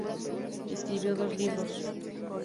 Escribió dos libros.